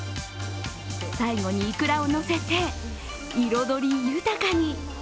最後にいくらを載せて彩り豊かに。